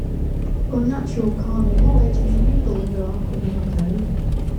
Unnatural carnal knowledge is illegal under our criminal code.